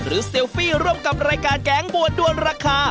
เซลฟี่ร่วมกับรายการแก๊งบัวด้วนราคา